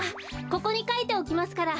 ここにかいておきますから。